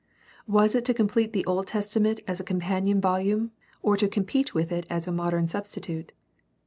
Was it to complete the Old Testament as a companion volume or to compete with it as a modern substitute